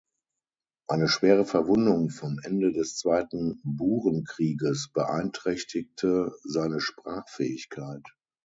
Eine schwere Verwundung vom Ende des Zweiten Burenkrieges beeinträchtigte seine Sprachfähigkeit.